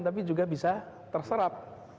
tapi juga bisa terserap